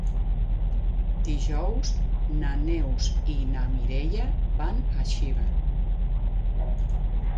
Dijous na Neus i na Mireia van a Xiva.